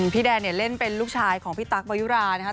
พี่แดนเนี่ยเล่นเป็นลูกชายของพี่ตั๊กบยุรานะครับ